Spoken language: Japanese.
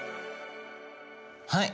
はい。